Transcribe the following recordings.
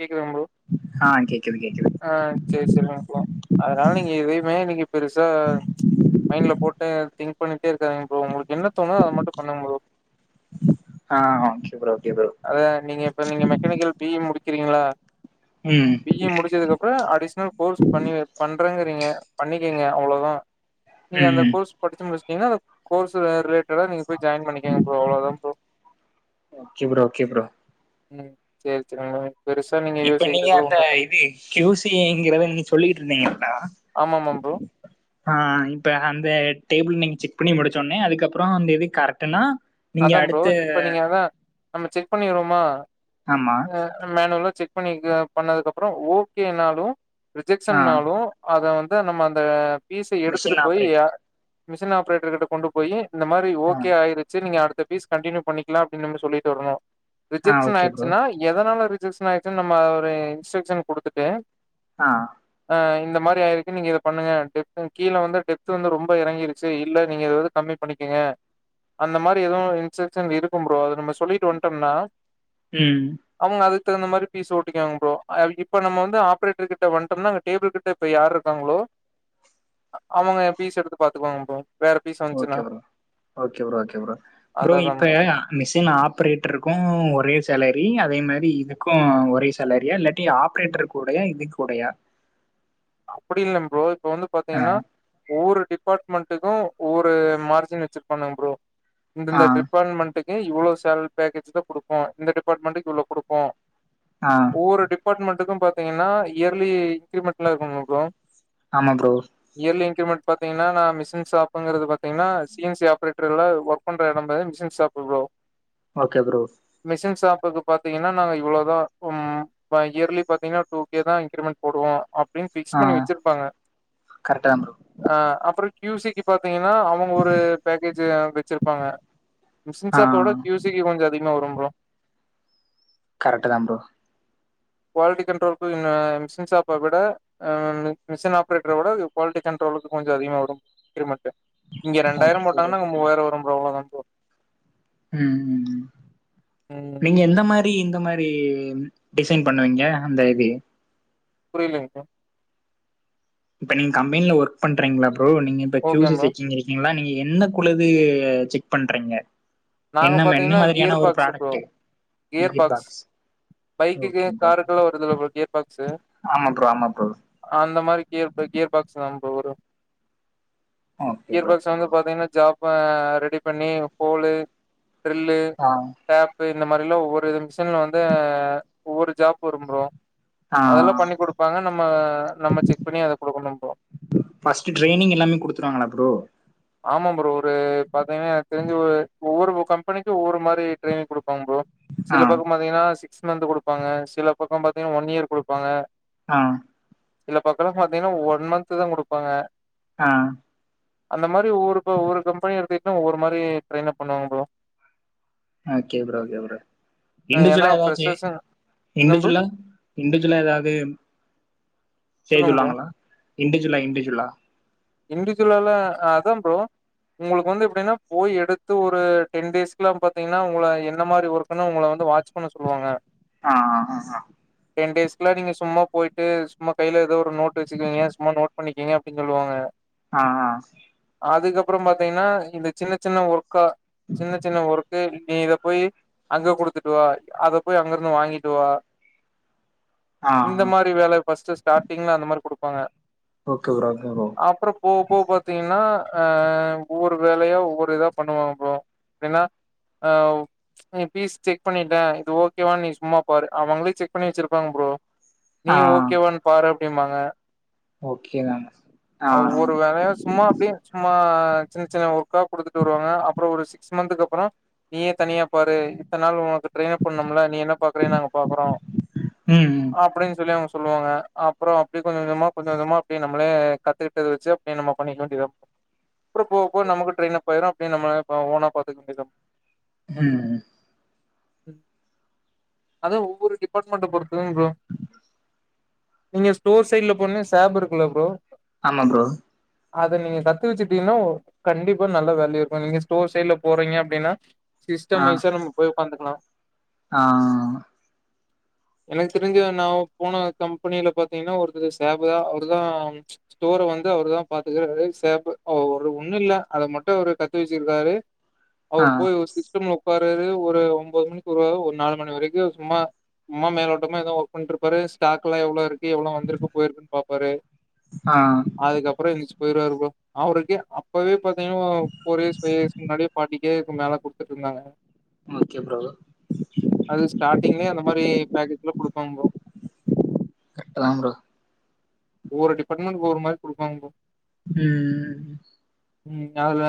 கேக்குதுங்க ப்ரோ ஆ கேக்குது. கேக்குது ஆ சேரி சேரி ப்ரோ அ அதனால நீங்க எதையுமே இன்னைக்கு பெருசா மைண்ட்ல போட்டு திங்க் பண்ணிட்டே இருக்காதிங்க ப்ரோ உங்களுக்கு என்ன தோணுதோ அத மட்டு பண்ணுங்க ப்ரோ ஆ ஓகே ப்ரோ ஓகே ப்ரோ அத நீங்க இப்ப நீங்க மெக்கானிக்கல் பிஇ முடிக்கிறீங்களா ம் பிஏ முடிச்சதுக்குப்புறோ அடிஷனல் கோர்ஸ் பண்ணி பண் ங்கங்க பண்ணிக்கங்க அவ்ளவுதா நீங்க அந்த ம் கோர்ஸ் படிச்ச முடிச்சு ஏன்னா அ கோர்ஸ் ரிலேட்டடா நீங்க போய் ஜாயின் பண்ணிக்கங்க ப்ரோ அவ்ளோதா bro okay bro okay bro ம் சேரி சேரி இப்ப நீங்க அந்த இது கியூசிங்கிறத நீங்க சொல்லிட்டு இருந்தீங்க ல ஆமாம ப்ரோ ஆ ஆ இப்ப அந்த டேபிள் நீங்க செக் பண்ணி முடிச்சோனே அதுக்கப்புறோ அந்த இது கரெக்டனா அதா ப்ரோ இப்ப நீங்க அதா நம்ம செக் பண்ணிடுவோமா ஆமா மேனுவல் செக் பண்ணி பண்ணதுக்கப்புற ஓகேனாலு ஆ ரிஜெகஷன்னாலு அத வந்து நம்ம அந்த ஃபீஸை எடுத்துட்டு மிஷின் போயி ஆப்ரேட்டர் மிஷின் ஆப்ரேட்டர் கிட்ட கொண்டு போயி இந்த மாரி ஆ ஓகே ஆயிடுச்சு நீங்க அடுத்த பீஸ் கண்டின்னியூ பண்ணிக்கலா அப்டின்னு மாரி சொல்லிட்டு வரணு ஆ ரிஜெக்ஷன் ஓகே ப்ரோ ஆயிடுச்சுன்னா எதனால ரிஜெக்ஷன் ஆயிடுச்சுன்னு நம்ம ஒரு இன்ஸ்ட்ரக்ஷன் குடுத்துட்டு ஆ அ இந்த மாரி ஆயிருக்கு நீங்க இத பண்ணுங்க கீழே வந்து டெப்த் வந்து ரொம்ப எறங்கிருச்சு இல்ல நீங்க இத கம்மி பண்ணிக்கங்க அந்த மாரி எதும் இன்ஸ்ட்ரக்ஷன் இருக்கும் ப்ரோ அத நம்ம சொல்லிட்டு வந்ட்டோம்னா ம். அவங்க அதுக்கு தகுந்த மாரி பீஸ ஓட்டிக்கிங்வாங்க ப்ரோ இப்ப நம்ம வந்து ஆப்ரேட்டர் கிட்ட வன்ட்டோம்னா அந்த டேபிள் கிட்ட இப்ப யாரு இருக்காங்களோ [inaudible] அவங்க எ பீஸ் எடுத்து பாத்துக்குவாங்க ப்ரோ வேற பீஸ் ஓகே வன்ச்சுன்னா bro okay bro okay bro bro இப்ப மிஷின் ஆப்ரேட்ருக்கு ஒரே சேலரி அதே மாரி இதுக்கு ஒரே சேலரியா இல்லாட்டி ஆப்ரேட்டர் கூடையா இதுக் கூடையா [inaudible] அப்படி இல்லங்க ப்ரோ இப்ப வந்து பாத்தீங்கன்னா ஒவ்வொரு டிபார்ட்மெண்ட்டுக்கு ஒரு மார்ஜின் வச்சிருப்பானுங்க ப்ரோ ஆ இந்த டிபார்ட்மெண்ட்டுக் இவ்ளோ சேல் பேக்கேஜ் த குடுப்போ இந்த டிபார்ட்மெண்டுக்கு இவ்ளோ குடுப்போ ஆ ஒவ்வொரு டிபார்ட்மெண்ட்டுக்கு பாத்தீங்கன்னா இயர்லி இன்கிரிமெண்ட்லா இருக்கும்ம ப்ரோ ஆமா ப்ரோ இயர்லி இன்கிரிமெண்ட் பாத்தீங்கன்னா நா மிஷின்ஷாப்ங்கிறது பாத்தீங்கன்னா சி என் சி ஆப்ரேட்ர் ல ஒர்க் பண்ற எடம் பேருதா மிஷின் ஷப் [unintelligible] ப்ரோ ஓகே ப்ரோ. இப்பக்கு பாத்தீங்கன்னா நாங்க இவ்ளோதா இயர்லி ம் பாத்தீங்கன்னா டூ கே தா இன்கிரிமெண்ட் போடுவோ அப் டின்னு பிக்ஸ் ஆ பண்ணி வச்சிருப்பாங்க கரெக்ட் தா ப்ரோ ஆ அப்ற கியூ சி டிபார்ட் பாத்தீங்கன்னா அவங்க ஒரு பேக்கேஜ் வச்சிருப்பாங்க ஆ மிஷின்சப்போட கியூசிக்கு கொஞ்ச அதிகமா வரு ப்ரோ கரெக்ட் தா ப்ரோ குவாலிட்டி கண்ட்ரோல்க்கு மிஷின் ஷாப்ப விட ஆ மிஷின் ஆப்ரேட்டரோட குவாலிட்டி கண்ட்ரோலுக்கு கொஞ்ச அதிகமா வரு இன்கிரிமென்ட் இங்க ஓகே ரெண்டாயிர ப்ரோ. போட்டாங்கன்னா அங்க மூவாயிர வரு ப்ரோ அவ்ளோ தா ப்ரோ ம் ம் நீங்க எந்த மாரி இந்த மாரி டிசைன் பண்ணுவீங்க அந்த இது புரியிலேங்க இப்ப நீங்க கம்பெனில ஒர்க் பண்றீங்களா ப்ரோ நீங்க இப்போ ஓகே ஷூஸ் ப்ரோ செசிங் இருக்கீங்களா நீங்க என்ன குழுது செக் பண்றீங்க நாங்க என்ன என்ன பாத்தீங்கன்னா மாதிரியான கியர் ஒரு box bro product gear box பைக்குக்கு ஓகே ப்ரோ காருக்குெல்லா வருதுல ப்ரோ கியர் பாக்ஸு ஆமா ப்ரோ ஆமா ப்ரோ அந்த மாரி கியர் கியர் பாக்ஸ் தா ப்ரோ வரு okay gear bro box okay வந்து ப்ரோ பாத்தீங்கன்னா ஜாப் ரெடி பண்ணி போலு கிரிலு ஆ டேப் இப்ப இந்த மாரிலா ஒவ்வொரு மிஷன்ல வந்து ஒவ்வொரு ஜாப் வரும் ப்ரோ ஆ அதெல்லா பண்ணி கொடுப்பாங்க நம்ம நம்ம செக் பண்ணி அத கொடுக்கணு ப்ரோ ஃபர்ஸ்ட் ட்ரெய்னிங் எல்லாமே குடுத்துடுவாங்களா ப்ரோ ஆமா ப்ரோ ஒரு பாத்தீங்கனா எனக்கு தெரிஞ்ச ஒரு ஒவ்வொரு கம்பெனிக்கு ஒவ்வொரு மாரி ட்ரைனிங் குடுப் பாங்க ப்ரோ சில ஆ பக்க பாத்தீங்கன்னா சிக்ஸ் மந்த் கொடுப்பாங்க சில பக்க பாத்தீங்கன்னா ஒன் இயர் குடுப்பாங்க ஆ சில பக்கல்லா பாத்தீங்கன்னா ஒன் மந்த் தா கொடுப்பாங்க ஆ அந்த மாரி ஒவ்வொரு ஒவ்வொரு கம்பனி எடுத்துக்கிட்டா ஒவ்வொரு மாரி ட்ரெயினப் பண்ணுவாங்க bro okay bro okay bro ஏன்னா இண்டுஜுலா ஏதாச்சு ஃப்ரெஷர்ஸ்ஸு என்ன ப்ரோ இண்டுஜுலா இண்டுஜுலா ஏதாது செய்ய சொல்லுங்க ப்ரோ சொல்லுவாங்களா இண்டுஜுலா இண்டுஜுலா இண்டுஜுவலாலா அதா ப்ரோ உங்களுக்கு வந்து எப்டின்னா போய் எடுத்து ஒரு டென் டேஸ்க்லா பாத்தீங்கன்னா உங்கள எந்த மாரி ஒர்கன்னு உங்கள வந்து வந்து வாட்ச் பண்ண சொல்லுவாங்க ஆ ஆ ஆ ஆ டென் டேஸ்க்லா நீங்க சும்மா போயிட்டு சும்மா கையில எதோ ஒரு நோட்டு வச்சுக்கேங்கோ சும்மா நோட் பண்ணிக்கங்க அப்டினு சொல்லுவாங்க ஆ ஆ அதுக்கப்பற பாத்தீங்கன்னா இந்த சின்ன சின்ன ஒர்க்கா சின்ன சின்ன ஒர்க்கு நீ இத போய் அங்க குடுத்துட்டு வா அத போய் அங்க இருந்து வாங்கிட்டு வா ஆ இந்த ஆ மாரி வேல ஃபர்ஸ்ட் ஸ்டாட்டிங்ல அந்த மாரி குடுப்பாங்க ஓகே ப்ரோ ப்ரோ அப்புற போகப் போக பாத்தீங்ன்னா ஆ ஒவ்வொரு வேலையா ஒவ்வொரு இதா பண்ணுவாங்க ப்ரோ அப்டின்னா நீ பீஸ் செக் பண்ணிட்ட இது ஓகேவா நீ சும்மா பாரு அவங்களே செக் பண்ணி வச்சிருப்பாங்க ப்ரோ நீ ஆ ஓகேவான்னு பாரும்பாங்க ஓகே தாங்க ஆ ஒவ்வொரு வேலையா சும்மா அப்படியே சும்மா சின்ன சின்ன ஒர்க்கா குடுத்துட்டு வருவாங்க அப்புற ஒரு சிக்ஸ் மந்தக்கு அப்புறம் நீயே தனியா பாரு இத்தன நாள் ஒனக் உன்ன ட்ரெய்னப் பண்ணம்ல நீ என்ன பாக்குற நாங்க பாக்குறோ ம் அப்படின்னு சொல்லி அவங் சொல்லுவாங்க அப்பற அப்படி கொஞ்ச கொஞ்சமா கொஞ்சம் அப்படி நம்மளே கத்துக்கிட்டத வச்சு அப்டியே நம்ம பண்ணிக்க வேண்டிதா அப்புற போக போக நமக்கு ட்ரெயின் அப்பாகிரு அப்படியே நம்ம ஓனா பாத்துக்க வேண்டியது தா ம் அது ஒவ்வொரு டிபார்ட்மெண்ட பொறுத்ததுங்க ப்ரோ நீங்க ஸ்டோர் சைட்ல போனினா சாப் இருக்குல்ல ப்ரோ ஆமா ப்ரோ அத நீங்க கத்து வச்சுட்டீங்கன்னா கண்டிப்பா நல்ல வேல்யூ இருக்கு நீங்க ஸ்டோர் சைட்ல போறீங்க அப்டின்னா ஆ சிஸ்டம் வைஸா நம்ம போய் உக்காந்துகலா ஆ எனக்கு தெரிஞ்ச நா போன கம்பெனியில பாத்தீங்கன்னா ஒருத்தரு சேபதா அவரு தா ஸ்டோரை வந்து அவரு தா பாத்துக்கறாரு சேப்பு அ ஒண்ணு இல்ல அத மட்டு அவரு கத்து வச்சிருக்காரு ஆ அவரு போய் ஒரு சிஸ்டம்ல உக்காராரு ஒரு ஒம்போது மணி க்குறாரு ஒரு நாலு மணி வரைக்கு சும்மா சும்மா மேலோட்டமா எதோ ஒர்க் பண்ணிட்டுருப்பாரு ஸ்டாக்ளா எவ்ளோ இருக்கு எவ்லோ வந்துருக்கு போயிருக்குன்னு பாப்பாரு ஆ அதுக்கப்புறோ எஞ்ச்சு போயிவாரு ப்ரோ அவருக்கே அப்பவே பா தையு ஃபோர் இயர்ஸ் ஃபைவ் இயர்ஸ் முன்னாடியே ஃபர்ட்டி கேக்கு மேல குடுத்துட்டு இருந்தாங்க ஓகே ப்ரோ அது ஸ்டார்டிங்லயே அந்த மாரி பேக்கே ல்ல குடுப்பாங்க ப்ரோ கரெக்டுதா ப்ரோ ஒவ்வொரு டிபார்ட்மெ்ண்ட்க்கு ஒவ்வொரு மாரி குடுப்பாங்க ப்ரோ ம் ம் அதுல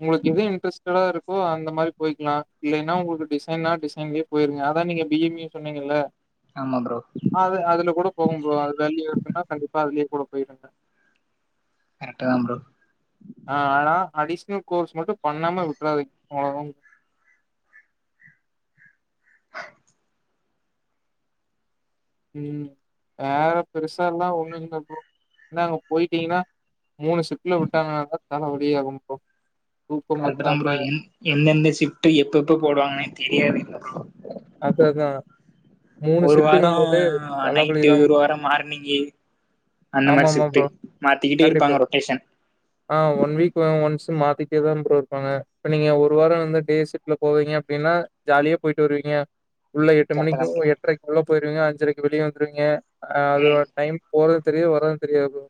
உங்களுக்கு எது இண்ட்ரெஸ்ட்டடா இருக்கோ அந்தமாரி போய்க்கிலா இல்லைன்னா உங்களுக்கு டிசைனா டிசைன்லயே போயிருங்க அத நீங்க பி எம் இ சொன்னீங்கல ஆமா ப்ரோ அது அதுல கூட போகும் ப்ரோ அது வேல்யூவா இருக்கு கண்டிப்பா அதுலயே கூட போயிறண்டா கரெக்ட்தா ப்ரோ ஆ ஆனா அடிஷனல் கோர்ஸ் மட்டு பண்ணாம விட்றாதங் அவ்ளோதா [unintelligible] ம் வேற பெருசால்லா ஒண்ணு இல்ல ப்ரோ என்ன அங்க போயிட்டீங்கன்னா மூணு ஸிப்டுல விட்டாங்கானதா தலை வலியே ஆகு ப்ரோ தூக்கம் கரெக்ட் தா ப்ரோ பத்தாம எந் எந்தெந்த ஷிப்ட் எப்ப எப்ப போடுவாங்கன்னே தெரியாதில்ல ப்ரோ அததா மூணு ஒரு வாரோ ஷிப்டிங்கும் போதே நைட்டு தலைவலிதாம் ஒரு வாரோ மார்னிங்கு அந்த ஆமா மாரி மா ஷிஃப்ட்டு ப்ரோ மாத்திக்கிட்டே கண்டிப்பா இருப்பாங்க ரொட்டேஷன் ஆ ஒன் வீக் ஒன்ஸ் துமாத்திட்டேதா ப்ரோ இருப்பாங்க இப்ப நீங்க ஒரு வார வந்து டே ஷிப்ட் ல போவீங்க அப்டின்னா ஜாலியா போயிட்டு வருவீங்க உள்ள எட்டு கரெக்ட்டு தா மணிக்கோ ப்ரோ எட்ரைக்கு உள்ள போயிருவீங்க அஞ்சரைக்கு வெளியே வந்துருவீங்க அது ம் டைம் போறது தெரியு வரதுன் தெரியாது ப்ரோ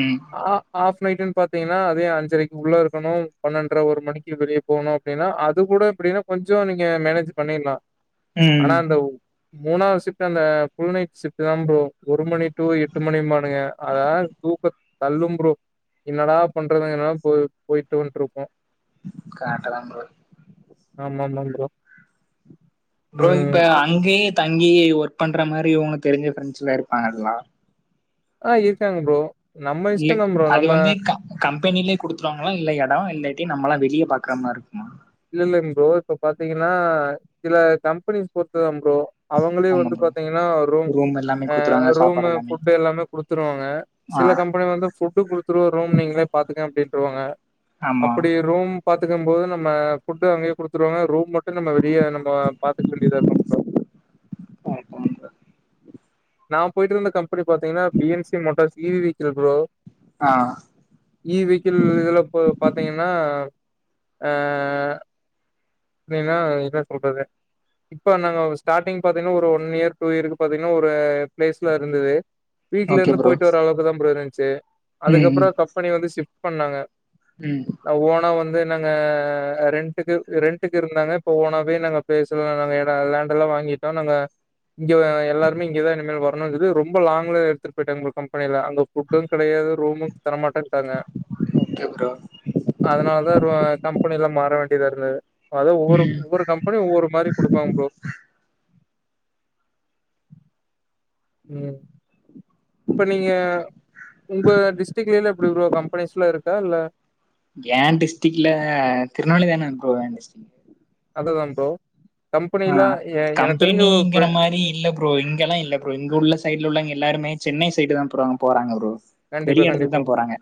ம் ஆ ஹஃப் ட்நைட்டுன் பாத்தீங்கன்னா அதே அஞ்சரைக்கு உள்ள இருக்கணு பன்னென்றரை ஒரு மணிக்கு வெளிய போணு அப்டின்னா அது கூட அப்டின்னா கொஞ்ச நீங்க மேனேஜ் பண்ணிடலா ஆனா ம் அந்த மூணாவது ஷிப்ட் அந்த ஃபுல் நைட் ஷிப்ட் தா ப்ரோ ஒரு மணி டூ எட்டு மணிபாணுங்க அத தூக்க தள்ளும் ப்ரோ என்னடா பண்றதுங்க என் போ போயிட்டு வந்ட்டு இருப்போ கரட்டுதா ப்ரோ ஆமா மா ப்ரோ ப்ரோ ம் இப்ப அங்கேயே தங் கி ஒர்க் பண்ற மாரி உங்க தெரிஞ்ச ஃபிரெண்ட்ஸ் இருப்பாங்களல்லா ஆ இருக்காங்க ப்ரோ நம்ம இல்ல இஷ்டந்தா ப்ரோ அது நம்ம வந்து க கம்பெனிலயே குடுத்துருவாங்களா இல்ல எடோ இல்லாட்டி நம்மல்லா வெளிய பாக்கமா இருக்குமா இல்ல இல்லங்க ப்ரோ இப்ப பாத்தீங்கன்னா சில கம்பெனிஸ் பொருத்துதாம் ப்ரோ அவங்களே ஆமா வந்து ப்ரோ பாத்தீங்கன்னா ரூம் எல்லாமே அ குடுத்துருவாங்க சாப்பாடு ரூமு ஃபுட்டு் எல்லாமே குடுத்துருவாங்க சில ஆ கம்பெனி வந்து ஃபுட்டு் குடுத்துருவ ரூம் நீங்களே பாத்துக்க அப்டின்றவாங்க ஆமா அப்டி ரூம் பாத்துக்கும்போது நம்ம ஃபுட்டு் அங்கயே குடுத்துருவாங்க ரூம் மட்டு நம்ம வெளிய நம்ம பாத்துக்க வேண்டியதா இருக்கு ப்ரோ கரட்டுதா நா போயிட்டுருந்த இருந்த கம்பெனி பாத்தீங்கன்னா B N C motors E V vehicle bro ஆ ஈ விக்கிள் இதுல போ பாத்தீங்கன்னா. ஆஹ் வேனா என்ன சொல்றது. இப்ப நாங்க ஸ்டார்டிங் பாத்தீங்கன்னா ஒரு ஒன் இயர் டூ இயருக்கு பாத்தீங்கன்னா ஒரு பிளேஸ்ல இருந்தது. வீட்ல ஓகே இருந்து ப்ரோ போயிட்டு வர அளவுக்கு தான் ப்ரோ இருந்துச்சு ம் ம் அதுக்கப்புறம் கம்பெனி வந்து ஷிப்ட் பண்ணாங்க. ம் ஓனா வந்து நாங்க ரெண்டுக்கு ரெண்ட் டுக்கு இருந்தாங்க இப்ப ஓனாவே நாங்க பேசல நாங்க இட லேண்ட் எல்லாம் வாங்கிட்டோம் நாங்க இங்க எல்லாருமே இங்கதா நின்னுருக்கோ தூரமா இருக்கு ரொம்ப லாங்குல எடுத்துட்டு போய்ட்டாங்க போல கம்பெனில நா கூப்டதும் கிடையாது ரூமும் தர மாட்டன்டாங்க ஓகே ப்ரோ அதனால தா கம்பெ னிலா மாற வேண்டியதா இருந்தது அது ஒவ்வொரு ம் ஒவ்வொரு கம்பெனியும் ஒவ்வொரு மாரி குடுப்பாங்க ப்ரோ உம் இப்ப நீங்க உங்க டிஸ்டிரிக்லலா எப்படி ப்ரோ கம்பெனிஸ் லாம் இருக்கா இல்ல ஏன் டிஸ்ட்ரிக்ல திருநெல்வேலி தான ப்ரோ ஏன் டிஸ்ட்ரிக் அதுதான் ப்ரோ கம்பெனிலா ஆஹ் எ எனக்கு தெரிஞ்ச ஒரு ஃப்ரெ கம்பெனிங்கிற மாறி இல்ல ப்ரோ இங்கெல்லாம் இல்ல ப்ரோ இங்க உள்ள சைடு உள்ள எல்லாருமே சென்னை சைடு தான் போறங் போறாங்க ப்ரோ கண்டிப்பா வெளி இடத்துக்கு கண்டிப்பா தான் ப்ரோ போறாங்க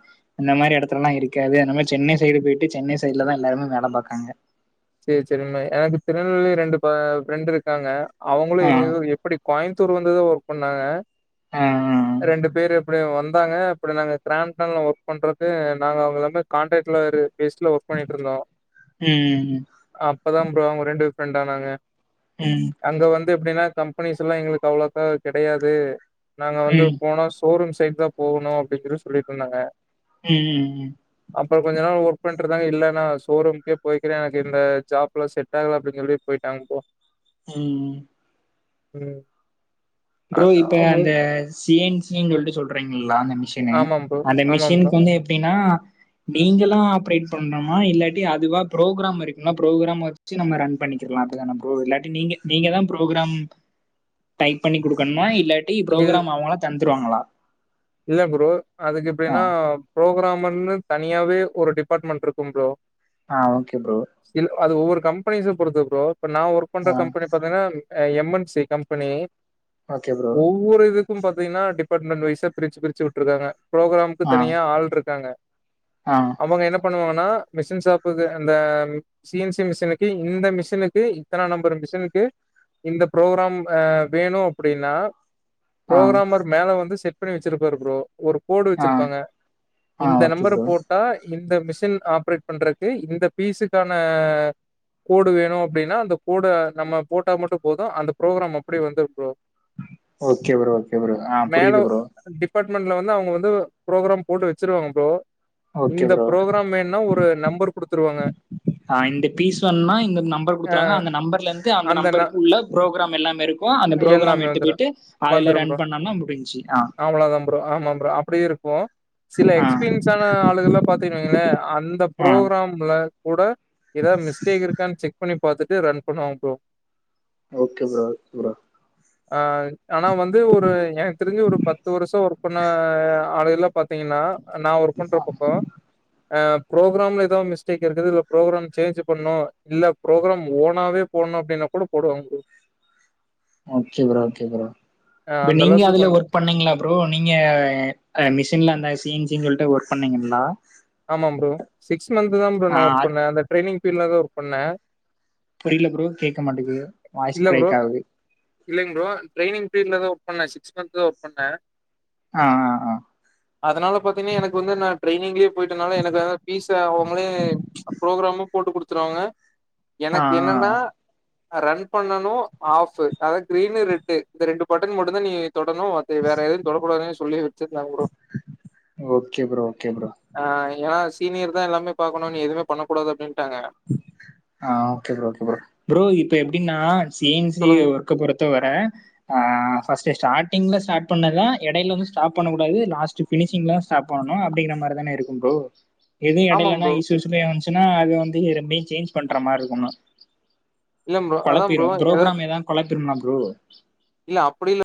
இந்த மாதிரி இடத்துலல்லாம் இருக்காது அந்த மாதிரி சென்னைஸ் சைடு போயிட்டு சென்னை சைடுல தான் எல்லாருமே வேலை பாக்காங்க சேரி சேரினா எனக்கு திருநெல்வேலி ரெண்டு ஃப்ரெண்ட் இருக்காங்க அவுங்களும் ஆ இங்க எப்படி கோயம்புத்தூர் வந்துதா ஒர்க் பண்ணாங்க ஆ ரெண்டு பேரு அப்படி வந்தாங்க இப்படி நாங்க சாம்சங் ஒர்க் பண்றது நாங்க அவுங்கள வந்து காண்ட்ராக்ட்ல பேஸ்டுல ஒர்க் பண்ணிட்டு இருந்தோம் ம் அப்பதான் ப்ரோ ரெண்டு ஃப்ரெண்ட் ஆனாங்க. உம் அப்ப எப்படின்னா கம்பெனிஸ்லா எங்களுக்கு அவ்ளோக்கா கிடையாது நாங்க வந்து ம் போனஸ் போரூர் சைட் தான் போணும் அப்படி ஈஇப்படின்னு சொல்லிட்டு இருந்தாங்க ம் ம் அப்புறம் கொஞ்ச நாள் ஒர்க் பண் விட்ருங்க இல்ல நா ஷோரூம்கே போய்கிறேன் எனக்கு இந்த ஜாப்ல செட் ஆகல அப்படின்னு சொல்லிட்டு போயிட்டாங்க ப்ரோ உம் உம் ப்ரோ இப்ப அந்த சீன்சீனு சொல்லிட்டு சொல்றீங்கள லாங்க மெஷின்னு ஆமாம் ப்ரோ. அந்த ஆமாம் ப்ரோ. மெஷின்க்கு வந்து எப்படின்னா நீங்களா ஆப்ரேட் பண்ணுமா இல்லாட்டி அதுவா ப்ரோக்ராம் இருக்கும் ப்ரோக்ராம் வச்சு நம்ம ரன் பண்ணிக்கலாம் அப்டிதான ப்ரோ இல்லாட்டி நீங்க நீங்க தான் ப்ரோக்ராம் டைப் பண்ணி குடுக்கணுமா இல்லாட்டி இல் ப்ரோக்ராம் அவுங்களா தந்துருவாங்களா இல்ல ப்ரோ அதுக்கு ஆ எப்படின்னா ப்ரோக்ராம் வந்து தனியாவே ஒரு டிபார்ட்மெண்ட் இருக்கும் ப்ரோ ஆஹ் ஓகே ப்ரோ இல்ல அது ஒவ்வொரு கம்பெனிஸ பொறுத்து ப்ரோ இப்ப நா ஒர்க் பண்ற ஆ கம்பெனி பாத்தீங்கனா எம்என்சி கம்பெனி ஓகே ப்ரோ ஒவ்வொரு இதுக்கும் பாத்தீங்கன்னா டிபார்ட்மெண்ட் வயசா பிரிச்சு பிரிச்சு விட்ருக்காங்க ப்ரோக்ராம்க்கு ஆ தனியா ஆள் இருக்காங்க ஆ அவுங்க என்ன பண்ணுவாங்கன்னா மிஷின் சாப்பு அந்த சின்சி மிஷினுக்கு இந்த மிஷினுக்கு இத்தனா நம்பர் மிஷினுக்கு இந்த ப்ரோக்ராம் அஹ் வேணும் அப்படின்னா ஆ ப்ரோக்ராமர் மேல வந்து செட் பண்ணி வச்சிருப்பாரு ப்ரோ ஒரு போடு ஆ வச்சிருப்பாங்க ஆ இந்த ஓகே நம்பர் ப்ரோ போட்டா இந்த மிஷின் ஆப்ரேட் பண்றதுக்கு இந்த பீஸுக்கான கோடு வேணும் அப்படின்னா அந்த கோட நம்ம போட்டா மட்டும் போதும் அந்த ப்ரோக்ராம் அப்படியே வந்துரும் bro okay bro okay bro ஆ மேல புரியுது ப்ரோ அபார்ட்மெண்ட்ல வந்து அவுங்க வந்து ப்ரோக்ராம் போடு வச்சுருவாங்க ப்ரோ ஓகே இந்த ப்ரோ ப்ரோக்ராம் வேனுனா ஒரு நம்பர் குடுத்துருவாங்க அ இந்த பீஸ் சொன்னா இந்த நம்பர் குடுத்துருவாங்க அந்த நம்பர்லந்து அந்த நம்பருக்கு உள்ள புரோக்ராம் எல்லாமேருக் கு அந்த புரோக்ராம் எல்லாமே எட்டு வந்துரும். போய்ட்டு அதுல ரன் பண்ணம்னா முடிஞ்சி ஆ ஆம் ப்ரோ ஆமாம் ப்ரோ அப்டியு இருக்கு சில ஆ எக்ஸ்பீன்ஸ் ஆன ஆளுகள்லா பாத்திகன் வெய்ங்களே அந்த ஆ புரோக்ராம்ல கூட எதா மிஸ்டேக் இருக்கான் செக் பண்ணி பாத்துட்டு ரன் பண்ணுவாங் bro okay bro okay bro ஆ ஆனா வந்து ஒரு எனக் தெரிஞ்சு ஒரு பத்து வருஷோ ஒர்க் பண்ண ஆளுகலா பாத்திங்கன்னா நா ஒர் பண்ற பக்கோ அ புரோக்ராம்ல எதா மிஸ்டேக் இருக்குது இல்ல புரோக்ராம் சேஞ்ச் பண்ணு இல்ல புரோக்ராம் ஓனாவே போணு அப்டினா கூட போடுவாங் ப்ரோ அ ப அந்த நீங்க அளவுக்கு அதுல கொஞ்சோ ஒர்க் பண்ணீங்ளா ப்ரோ நீங்க அ மிஷின்ல அந்த சி ன் சி ன் சொல்ட்டு ஒர்க் பண்ணீங்கள்லா ஆமா ப்ரோ சிக்ஸ் மந்த்தா ப்ரோ ஆ நா ஒர்க் அது பண்ணே அந்த ட்ரெய்னிங் பீர்ட்லதா ஒர்க் பண்ணே புரில ப்ரோ கேட்க மாட்டிகுது வாய்ஸ் பிரேக் ஆவுது இல்லிங் ப்ரோ ட்ரெய்னிங் பீர்ட்லதா ஒர்க் பண்ணே சிக்ஸ் மந்த்தா ஒர்க் பண்ணே ஆ ஆ அதனால பாத்திங்ன்னா எனக்கு வந்து நா ட்ரெய்னிங்லியே போய்ட்டனால எனக்கு அதா பீஸ அவுங்களே ப்ரோக்ராமு போட்டு குடுத்துருவாங்க ஆ ஆ எனக்கு ஆ என்னன்னா அ ரன் பண்ணனு ஆஃப் அதா கிரீனு ரெட்டு இந்த ரெண்டு பட்டன் மட்டுந்தா நீயி தொடணு அது வேற எதுவு தொடக்கூடாதுனே சொல்லி வெச்சிருந்தாங்க bro okay bro okay bro. அ ஏனா சீனியர் தா எல்லாமே பாக்கணு நீ எதுமே பண்ண கூடாது அப்டின் ஆ okay bro okay bro bro இப்ப எப்டினா சி ன் சி சொல்லுங்க. ஒர்க்க பொரு த்தவர ஆ ஃபஸ்டு ஸ்டாடிங்ல ஸ்டாட் பண்ணதா எடையில வந்து ஸ்டாப் பண்ண கூடாது லாஸ்ட்டு ஃபி னிஷிங்லதா ஸ்டாப் பண்ணணு அப்டிங்கிற மாரிதான இருக்கு ப்ரோ எது ஆமாம் எடைலனா ப்ரோ. [unintelligible] வஞ்ச்சுன்னா அது வந்து இ ரெண்டையு சேஞ்ச் பண்ற மார்ருக்குணு இல்ல ப்ரோ. அதான் கொலப்பிரு ப்ரோ. ஏதாவது புரோகிராம் எதா கொலப்பிருமா ப்ரோ இல்ல அப்டி இல்ல